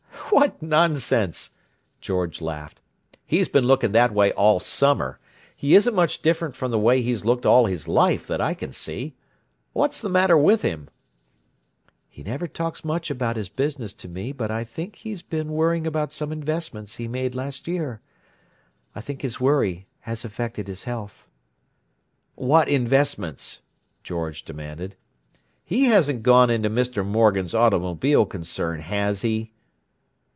"What nonsense!" George laughed. "He's been looking that way all summer. He isn't much different from the way he's looked all his life, that I can see. What's the matter with him?" "He never talks much about his business to me but I think he's been worrying about some investments he made last year. I think his worry has affected his health." "What investments?" George demanded. "He hasn't gone into Mr. Morgan's automobile concern, has he?"